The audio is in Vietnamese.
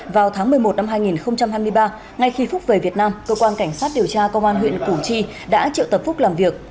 vào tháng một mươi một năm hai nghìn hai mươi ba ngay khi phúc về việt nam cơ quan cảnh sát điều tra công an huyện củ chi đã triệu tập phúc làm việc